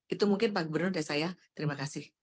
itu mungkin pak gubernur dan saya terima kasih